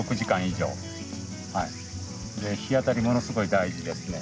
日当たりものすごい大事ですね。